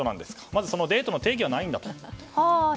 まず、デートの定義はないんだと。